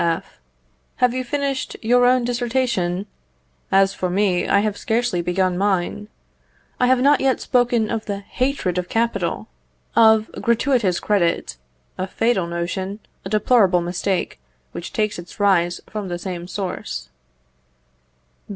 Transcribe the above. F. Have you finished your own dissertation? As for me, I have scarcely begun mine. I have not yet spoken of the hatred of capital, of gratuitous credit a fatal notion, a deplorable mistake, which takes its rise from the same source.